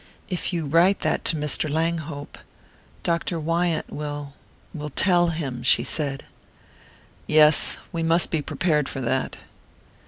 "If you write that to Mr. Langhope Dr. Wyant will will tell him," she said. "Yes we must be prepared for that."